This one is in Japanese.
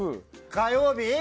火曜日？